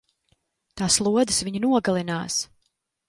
Tās lodes viņu nogalinās!